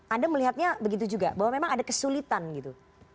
anda melihatnya begitu juga bahwa memang ada kesulitan gitu